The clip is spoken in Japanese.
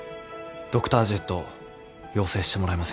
ドクタージェットを要請してもらえませんか？